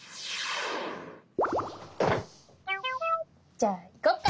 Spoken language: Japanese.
じゃあいこっか。